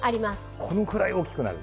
このくらい大きくなる。